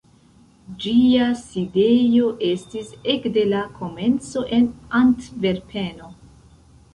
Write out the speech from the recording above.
Ĝia sidejo estis ekde la komenco en Antverpeno.